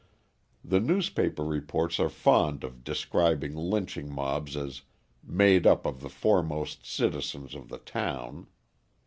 The newspaper reports are fond of describing lynching mobs as "made up of the foremost citizens of the town."